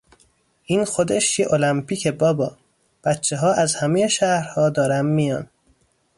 این خودش یه المپیکه بابا! بچهها از همهی شهرها دارن میان